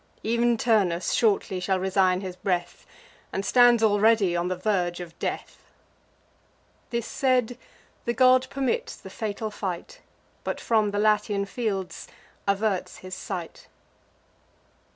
Ev'n Turnus shortly shall resign his breath, And stands already on the verge of death." This said, the god permits the fatal fight, But from the Latian fields averts his sight.